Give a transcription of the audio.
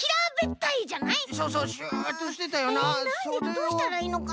どうしたらいいのかな？